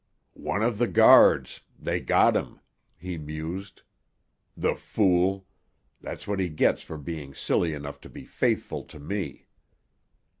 "One of the guards; they got him," he mused. "The fool! That's what he gets for being silly enough to be faithful to me."